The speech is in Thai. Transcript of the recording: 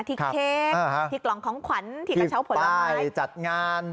เค้กที่กล่องของขวัญที่กระเช้าผลไม้จัดงาน